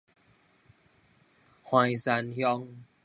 橫山鄉